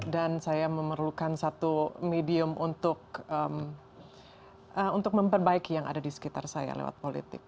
saya memerlukan satu medium untuk memperbaiki yang ada di sekitar saya lewat politik